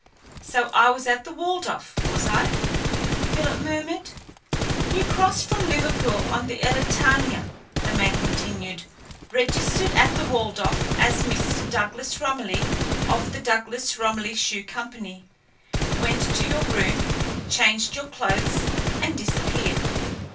"So I was at the Waldorf, was I?" Philip murmured. "You crossed from Liverpool on the Elletania," the man continued, "registered at the Waldorf as Mr. Douglas Romilly of the Douglas Romilly Shoe Company, went to your room, changed your clothes, and disappeared.